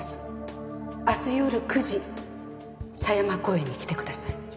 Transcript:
明日夜９時狭山公園に来てください。